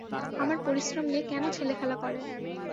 আমার পরিশ্রম নিয়ে কেন ছেলেখেলা করেন?